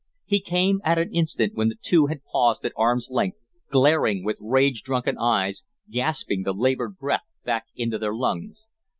He came at an instant when the two had paused at arm's length, glaring with rage drunken eyes, gasping the labored breath back into their lungs.